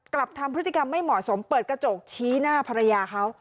กลับทำพฤติกรรมไม่เหมาะสมเปิดกระจกชี้หน้าภรรยาเขา